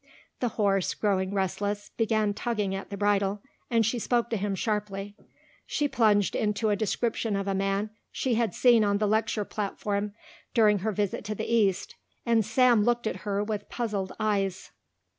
The horse, growing restless, began tugging at the bridle and she spoke to him sharply. She plunged into a description of a man she had seen on the lecture platform during her visit to the East and Sam looked at her with puzzled eyes.